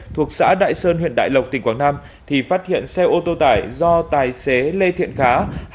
thuộc xã đại sơn huyện đại lộc tỉnh quảng nam thì phát hiện xe ô tô tải do tài xế lê thiện khá